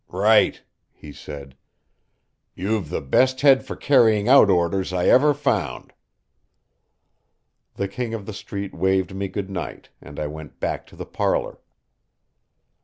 "Right," he said. "You've the best head for carrying out orders I ever found." The King of the Street waved me good night, and I went back to the parlor.